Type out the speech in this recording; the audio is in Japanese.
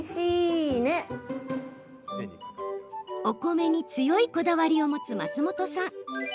お米に強いこだわりを持つ松本さん。